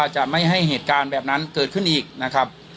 จะไม่ให้เหตุการณ์แบบนั้นเกิดขึ้นอีกนะครับ